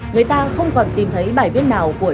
người ta không còn tìm thấy bài viết nào của